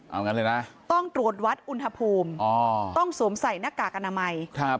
เอางั้นเลยนะต้องตรวจวัดอุณหภูมิต้องสวมใส่หน้ากากอนามัย